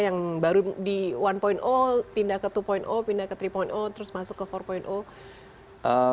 yang baru di satu pindah ke dua pindah ke tiga terus masuk ke empat